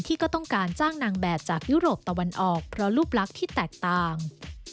ก็ต้องการจ้างนางแบบจากยุโรปตะวันออกเพราะรูปลักษณ์ที่แตกต่าง